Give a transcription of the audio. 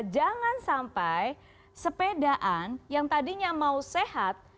jangan sampai sepedaan yang tadinya mau sehat